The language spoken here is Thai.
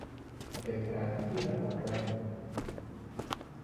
เห็นแผนที่แล้วตกใจหมด